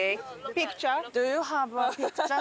ピクチャー。